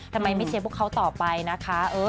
ทำไมไม่เชียร์พวกเขาต่อไปนะคะ